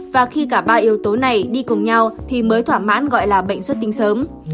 và khi cả ba yếu tố này đi cùng nhau thì mới thỏa mãn gọi là bệnh xuất tinh sớm